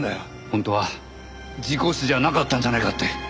本当は事故死じゃなかったんじゃないかって。